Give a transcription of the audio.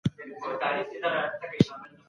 که اوبه کتاب ته ورسیږي نو پاڼې یې خرابیږي.